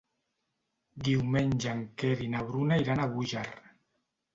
Diumenge en Quer i na Bruna iran a Búger.